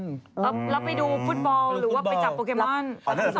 แล้วไปดูฟุตบอลหรือว่าไปจับโปเกมอน